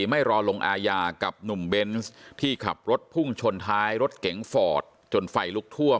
ไม่รอลงอาญากับหนุ่มเบนส์ที่ขับรถพุ่งชนท้ายรถเก๋งฟอร์ดจนไฟลุกท่วม